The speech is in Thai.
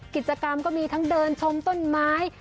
กิจกรรมก็มีทั้งเดินชมต้นไม้